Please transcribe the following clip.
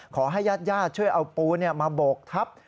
ขอให้ญาติช่วยเอาปูมาโบกทับ